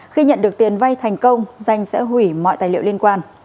khi nhận được tiền vay thành công danh sẽ hủy mọi tài liệu liên quan